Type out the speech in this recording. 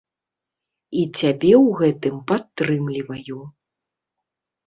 І цябе ў гэтым падтрымліваю.